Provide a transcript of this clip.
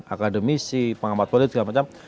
akademisi pengamat politik segala macam